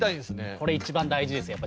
これ一番大事ですやっぱ。